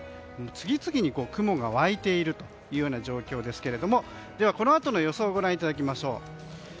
次々に雲が湧いているというような状況ですけれどもこのあとの予想をご覧いただきましょう。